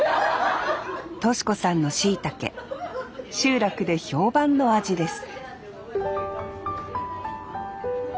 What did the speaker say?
敏子さんのしいたけ集落で評判の味です